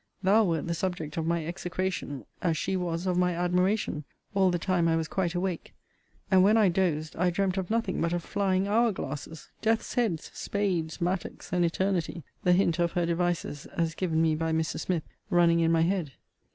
Thou wert the subject of my execration, as she was of my admiration, all the time I was quite awake: and, when I dozed, I dreamt of nothing but of flying hour glasses, deaths heads, spades, mattocks, and eternity; the hint of her devices (as given me by Mrs. Smith) running in my head.